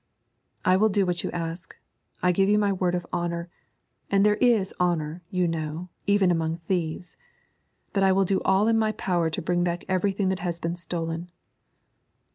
'I will do what you ask. I give you my word of honour and there is honour, you know, even among thieves that I will do all in my power to bring back everything that has been stolen.